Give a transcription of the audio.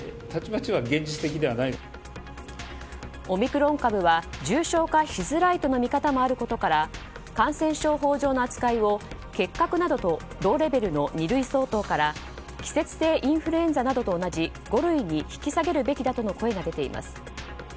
オミクロン株は重症化しづらいとの見方もあることから感染症法上の扱いを結核などと同レベルの二類相当から季節性インフルエンザなどと同じ五類に引き下げるべきだとの声が出ています。